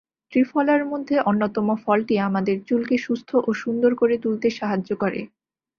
ত্রিফলার মধ্যে অন্যতম ফলটি আমাদের চুলকে সুস্থ ও সুন্দর করে তুলতে সাহায্য করে।